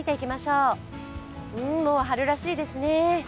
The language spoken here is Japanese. うん、もう春らしいですね。